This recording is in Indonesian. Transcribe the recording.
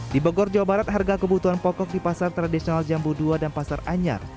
di bogor jawa barat harga kebutuhan pokok di pasar tradisional jambu ii dan pasar anyar